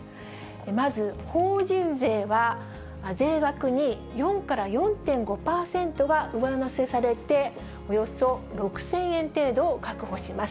まず、法人税は税額に４から４．５％が上乗せされて、およそ６０００円程度を確保します。